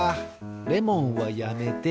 レモンはやめて。